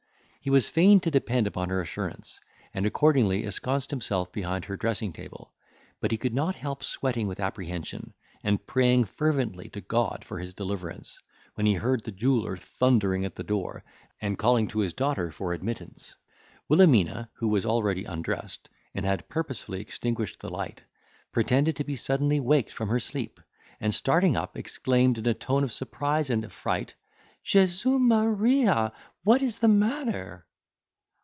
He was fain to depend upon her assurance, and accordingly ensconced himself behind her dressing table; but he could not help sweating with apprehension, and praying fervently to God for his deliverance, when he heard the jeweller thundering at the door, and calling to his daughter for admittance. Wilhelmina, who was already undressed, and had purposely extinguished the light, pretended to be suddenly waked from her sleep, and starting up, exclaimed in a tone of surprise and affright, "Jesu, Maria! what is the matter?"